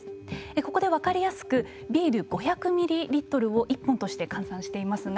ここで分かりやすくビール５００ミリリットルを１本として換算していますが。